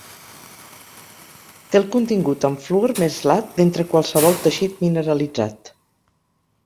Té el contingut en fluor més lat d'entre qualsevol teixit mineralitzat.